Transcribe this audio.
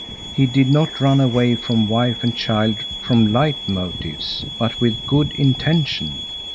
He did not run away from wife and child from light motives, but with good intention.